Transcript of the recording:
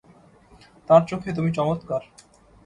তার চোখে তুমি চমৎকার।